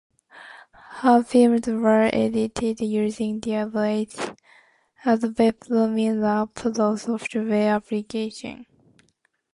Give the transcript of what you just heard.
Her films were edited using the Adobe Premiere Pro software application.